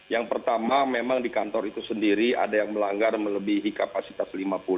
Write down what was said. yang pertama memang di kantor itu sendiri ada yang melanggar melebihi kapasitas lima puluh